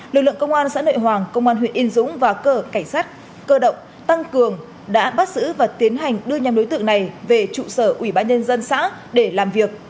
lực lượng công an xã nội hoàng công an huyện yên dũng và cờ cảnh sát cơ động tăng cường đã bắt giữ và tiến hành đưa nhóm đối tượng này về trụ sở ủy ban nhân dân xã để làm việc